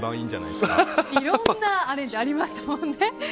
いろんなアレンジがありましたもんね。